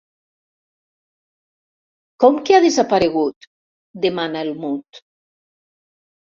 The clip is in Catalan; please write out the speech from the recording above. Com que ha desaparegut? —demana el Mud.